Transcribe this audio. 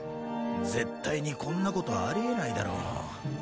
絶対にこんなことあり得ないだろ。